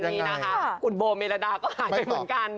อย่างนั้นนี้คุณบลว์เมรดาก็หายไปเหมือนกัน